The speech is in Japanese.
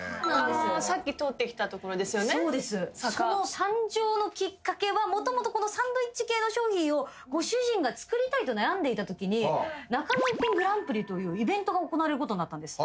その誕生のきっかけはもともとサンドイッチ系の商品をご主人が作りたいと悩んでいたときに中野の逸品グランプリというイベントが行われることになったんです。